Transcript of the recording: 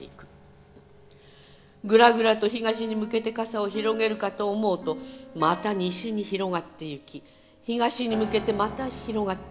「ぐらぐらと東に向けて傘を広げるかと思うとまた西に広がっていき東に向けてまた広がっていく」